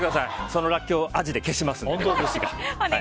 そのらっきょうをアジで消しますので。